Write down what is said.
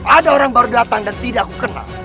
ada orang baru datang dan tidak aku kenal